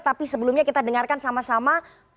tapi sebelumnya kita dengarkan sama sama